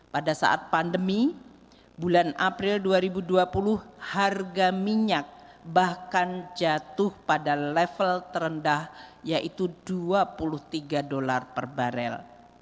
pada saat pandemi bulan april dua ribu dua puluh harga minyak bahkan jatuh pada level terendah yaitu dua puluh tiga dolar per barel